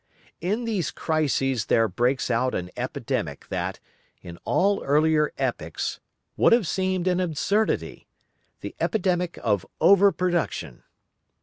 In these crises there breaks out an epidemic that, in all earlier epochs, would have seemed an absurdity—the epidemic of over production.